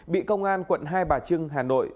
bị công an quận hai bà trưng hà nội